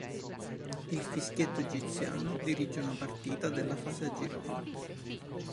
Il fischietto egiziano dirige una partita della fase a gironi.